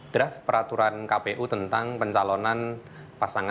draft peraturan kpu tentang pencalonan pasangan